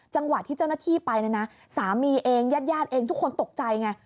จังหวะที่เจ้าหน้าที่ไปนะสามีเองยาดเองทุกคนตกใจไง